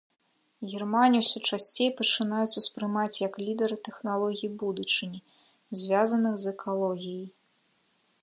Германію ўсё часцей пачынаюць успрымаць як лідара тэхналогій будучыні, звязаных з экалогіяй.